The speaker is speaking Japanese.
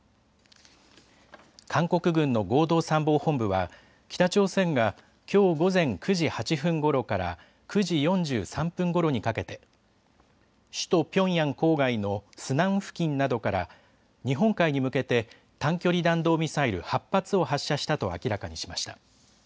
韓国軍の合同参謀本部は北朝鮮がきょう午前９時８分ごろから９時４３分ごろにかけて首都ピョンヤン郊外のスナン付近などから日本海に向けて短距離弾道ミサイル８発を発射したと明らかにしました。